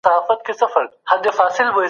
بهرنۍ پالیسي د بدلون پر وړاندي نه درېږي.